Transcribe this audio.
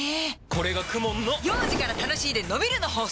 これがＫＵＭＯＮの幼児から楽しいでのびるの法則！